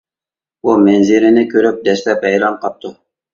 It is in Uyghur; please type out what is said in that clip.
بۇ مەنزىرىنى كۆرۈپ دەسلەپ ھەيران قاپتۇ.